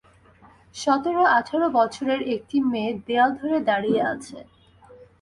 সতের-আঠার বছরের একটি মেয়ে দেয়াল ধরে দাঁড়িয়ে আছে।